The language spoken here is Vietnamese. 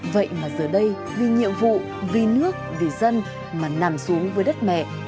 vậy mà giờ đây vì nhiệm vụ vì nước vì dân mà nằm xuống với đất mẹ